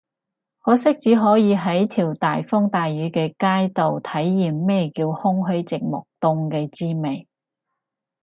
可惜只可以喺條大風大雨嘅街度體驗咩叫空虛寂寞凍嘅滋味